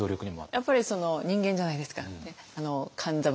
やっぱり人間じゃないですか勘三郎さんも。